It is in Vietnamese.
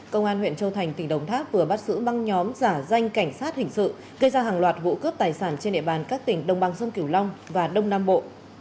công an huyện châu thành tỉnh đồng tháp vừa bắt giữ băng nhóm giả danh cảnh sát hình sự gây ra hàng loạt vụ cướp tài sản trên địa bàn các tỉnh đông băng sông kiểu long và đông nam bộ